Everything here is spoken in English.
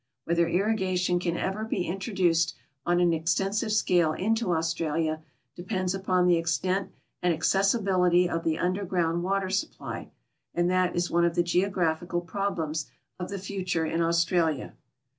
Whether irrigation can ever be introduced on an extensive scale into Australia depends upon the extent and accessibility of the underground water supply, and that is one of thc^ geographical problems of the future in Australia.